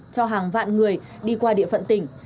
cho hàng vạn người đi qua địa phận tỉnh